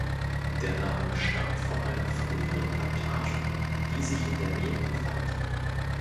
Der Name stammt von einer früheren Plantage, die sich in der Nähe befand.